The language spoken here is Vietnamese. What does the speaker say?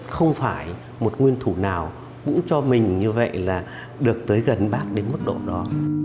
không phải một nguyên thủ nào bỗ cho mình như vậy là được tới gần bác đến mức độ đó